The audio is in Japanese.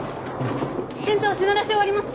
店長品出し終わりました。